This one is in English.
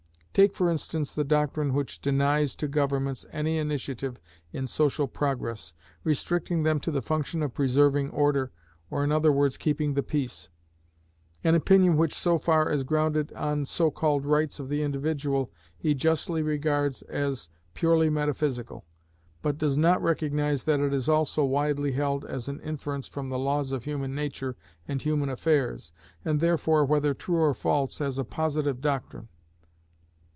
Take for instance the doctrine which denies to governments any initiative in social progress, restricting them to the function of preserving order, or in other words keeping the peace: an opinion which, so far as grounded on so called rights of the individual, he justly regards as purely metaphysical; but does not recognise that it is also widely held as an inference from the laws of human nature and human affairs, and therefore, whether true or false, as a Positive doctrine.